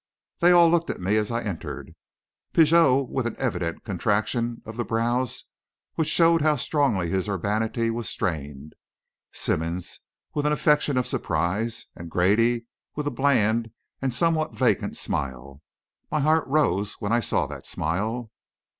They all looked at me as I entered, Pigot with an evident contraction of the brows which showed how strongly his urbanity was strained; Simmonds with an affectation of surprise, and Grady with a bland and somewhat vacant smile. My heart rose when I saw that smile.